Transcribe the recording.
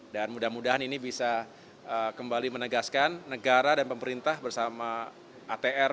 dan mudah mudahan ini bisa kembali menegaskan negara dan pemerintah bersama atr